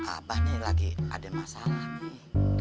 abah nih lagi ada masalah nih